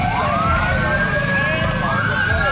ว้าวว้าวว้าวว้าวว้าว